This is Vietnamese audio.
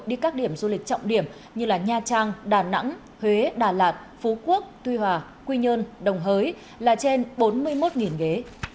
đi các điểm du lịch trọng điểm như nha trang đà nẵng huế đà lạt phú quốc tuy hòa quy nhơn đồng hới là trên bốn mươi một ghế